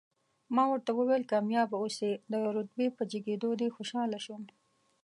ما ورته وویل، کامیاب اوسئ، د رتبې په جګېدو دې خوشاله شوم.